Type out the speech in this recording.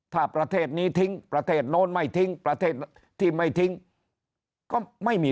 ถ้าประเทศนี้ทิ้งประเทศโน้นไม่ทิ้งประเทศที่ไม่ทิ้งก็ไม่มี